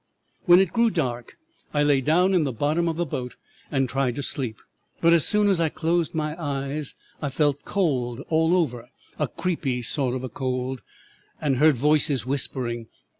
"'When it grew dark I lay down in the bottom of the boat and tried to sleep; but as soon as I closed my eyes I felt cold all over, a creepy sort of cold, and heard voices whispering.